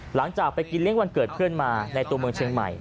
หลังจากไปกินเลี้ยงวันเกิดเพื่อนมาในตัวเมืองเชียงใหม่